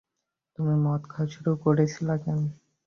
তুমি মদ খাওয়া শুরু করেছিলে কেন?